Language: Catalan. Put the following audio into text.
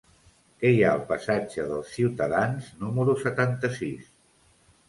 Què hi ha al passatge dels Ciutadans número setanta-sis?